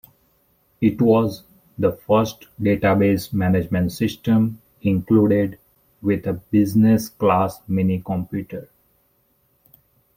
It was the first database management system included with a business-class minicomputer.